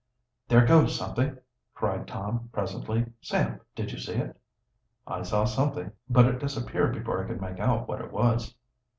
"There goes something!" cried Tom presently. "Sam, did you see it?" "I saw something, but it disappeared before I could make out what it was."